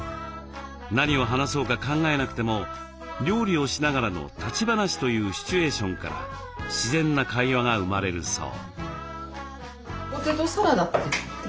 何を話そうか考えなくても料理をしながらの立ち話というシチュエーションから自然な会話が生まれるそう。